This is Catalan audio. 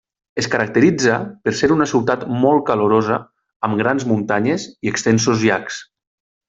Es caracteritza per ser una ciutat molt calorosa, amb grans muntanyes i extensos llacs.